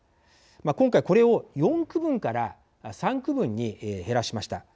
今回、これを４区分から３区分に減らしました。